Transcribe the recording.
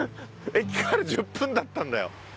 駅から１０分だったんだよ？